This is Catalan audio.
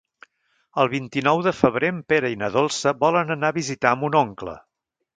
El vint-i-nou de febrer en Pere i na Dolça volen anar a visitar mon oncle.